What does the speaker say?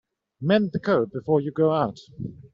Mend the coat before you go out.